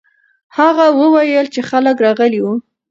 هغه وویل چې خلک راغلي وو.